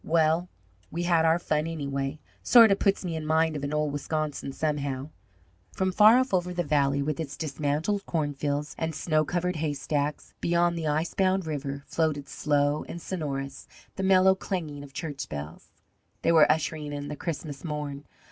"Well, we had our fun, anyway. Sort of puts me in mind of old Wisconsin, somehow." From far off over the valley, with its dismantled cornfields and snow covered haystacks, beyond the ice bound river, floated slow, and sonorous, the mellow clanging of church bells. They were ushering in the Christmas morn.